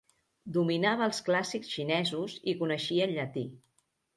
Dominava els clàssics xinesos i coneixia el llatí.